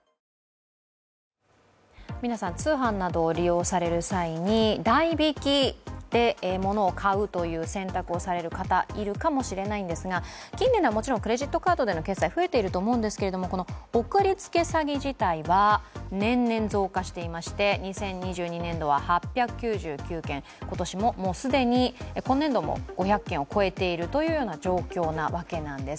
皆さん、通販などを利用される際に代引きでものを買うという選択をされる方いるかもしれないんですが近年ではもちろんクレジットカードでの決済が増えているとは思うんですがこの送りつけ詐欺自体は、年々増加していまして２０２２年度は８９９件、今年度ももう既に５００件を超えているというような状況です。